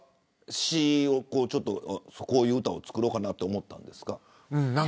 そういう歌を作ろうと思ったんですか。